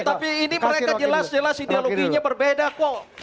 tapi ini mereka jelas jelas ideologinya berbeda kok